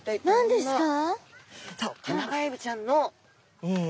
何ですか。